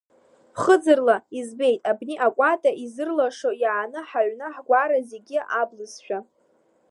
Ԥхыӡырла избеит абни акәата изырлашо иааны ҳаҩны, ҳгәара зегьы аблызшәа.